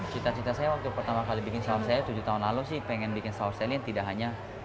cita cita saya waktu pertama kali bikin sourcelli tujuh tahun lalu sih pengen bikin sourcelli yang tidak hanya